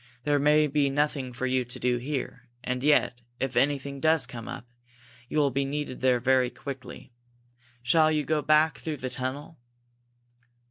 There may be nothing for you to do there, and yet, if anything does come up, you will be needed there very quickly. Shall you go back through the tunnel?"